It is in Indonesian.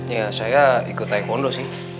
ya saya ikut taekwondo sih